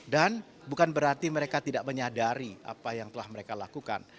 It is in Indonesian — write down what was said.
dan bukan berarti mereka tidak menyadari apa yang telah mereka lakukan